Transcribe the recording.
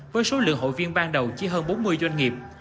với số lượng hội viên ban đầu chỉ hơn bốn mươi doanh nghiệp